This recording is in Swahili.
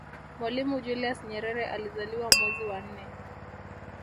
mwalimu julius nyerere alizaliwa mwezi wa nne